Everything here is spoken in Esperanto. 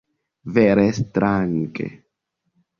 Vere strange!